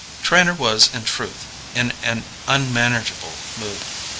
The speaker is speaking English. Trenor was in truth in an unmanageable mood.